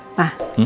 papa setuju itu